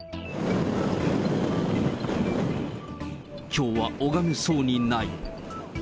きょうは拝めそうにない。